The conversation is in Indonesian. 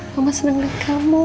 mama senang dengan kamu